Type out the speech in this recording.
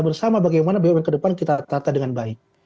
bersama bagaimana bumn ke depan kita tata dengan baik